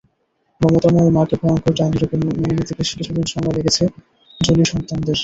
মমতাময়ী মাকে ভয়ংকর ডাইনিরূপে মেনে নিতে বেশ কিছুদিন সময় লেগেছে জোলিসন্তানদের।